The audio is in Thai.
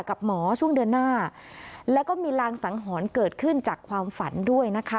กับหมอช่วงเดือนหน้าแล้วก็มีรางสังหรณ์เกิดขึ้นจากความฝันด้วยนะคะ